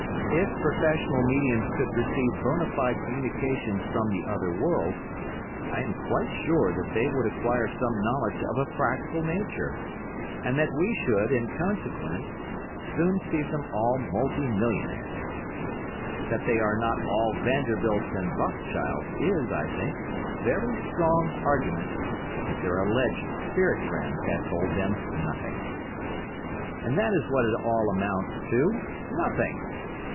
If professional mediums could receive bona fide communications from the other world, I am quite sure that they would acquire some knowledge of a practical nature, and that we should, in consequence, soon see them all multi millionaires. That they are not all Vanderbilts and Rothschilds is, I think, a very strong argument that their alleged spirit friends have told them nothing. And that is what it all amounts to—nothing.